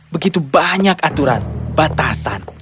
begitu banyak aturan batasan